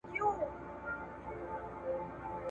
هیڅ شی په یو حال نه پاتیږي.